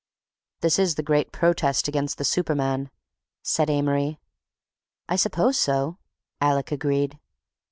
"This is the great protest against the superman," said Amory. "I suppose so," Alec agreed.